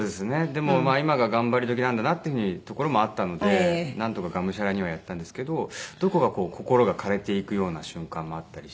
でも今が頑張り時なんだなっていうところもあったのでなんとかがむしゃらにはやったんですけどどこか心が枯れていくような瞬間もあったりして。